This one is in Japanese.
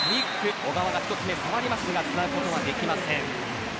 小川が１つ目触りましたがつなぐことはできません。